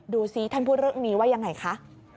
ดูสิท่านพูดเรื่องนี้ว่ายังไงคะ